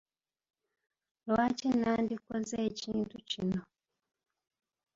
Lwaki nandikoze ekintu kino?